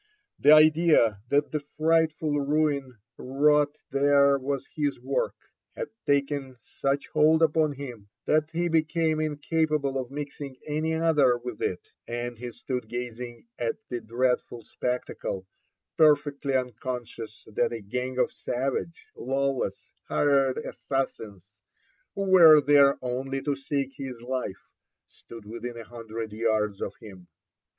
The idea that the fright ful ruin wrought there was his work, had taken such hold upon him that he became incapable of mixing any other with it, and he stood gazing at the dreadful spectacle, perfectly unconscious that a gang of savage, lawless, hired assassins, who were there only to seek his life, stood within a hundred yards of him.